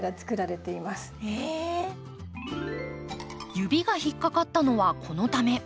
指が引っ掛かったのはこのため。